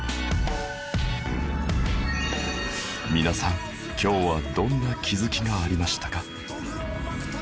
皆さん今日はどんな気づきがありましたか？